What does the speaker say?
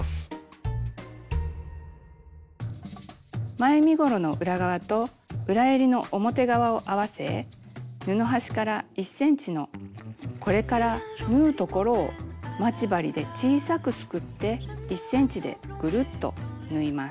前身ごろの裏側と裏えりの表側を合わせ布端から１ｃｍのこれから縫うところを待ち針で小さくすくって１ｃｍでぐるっと縫います。